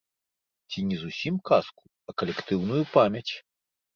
Ці не зусім казку, а калектыўную памяць.